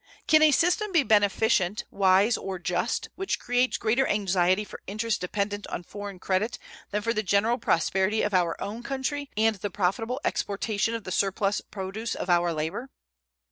Can a system be beneficent, wise, or just which creates greater anxiety for interests dependent on foreign credit than for the general prosperity of our own country and the profitable exportation of the surplus produce of our labor?